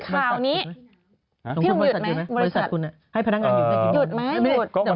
บริษัทคุณให้พนักงานหยุดไหม